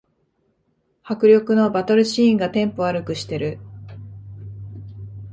迫力のバトルシーンがテンポ悪くしてる